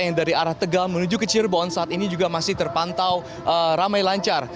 yang dari arah tegal menuju ke cirebon saat ini juga masih terpantau ramai lancar